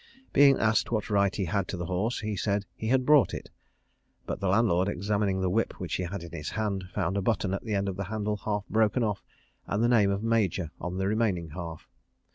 Being asked what right he had to the horse, he said he had bought it; but the landlord, examining a whip which he had in his hand, found a button at the end of the handle half broken off, and the name of Major on the remaining half.